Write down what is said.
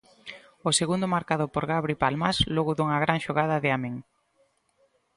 O segundo marcado por Gabri Palmás logo dunha gran xogada de Amin.